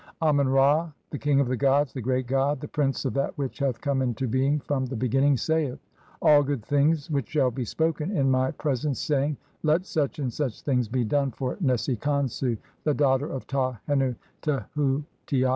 Amen Ra, the king of the gods, the great god, the prince of that which hath come into being from the beginning, saith :— "All good things which shall be spoken in my pre sence, saying, 'Let such and such things be done "for Nesi Khonsu, the daughter of Ta hennu Tehu "ti a.'